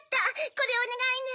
これおねがいね。